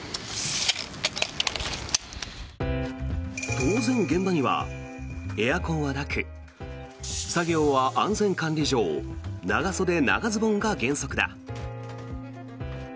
当然、現場にはエアコンはなく作業は安全管理上長袖・長ズボンが原則だ。